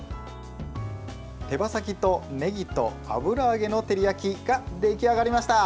手羽先とねぎと油揚げの照り焼き出来上がりました。